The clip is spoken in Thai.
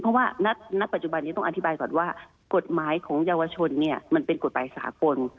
เพราะว่าบันตร์ปัจจุบันต้องอธิบายก่อนว่ากฎหมายของเยาวชนเป็นกฎหมายสหกล